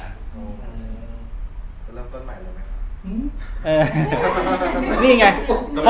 เป็นเรื่องต้นใหม่แล้วไหมครับ